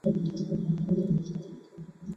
港口规模居湖北省第三位。